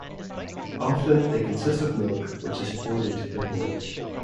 Often they consist of milk which is poured into the hole.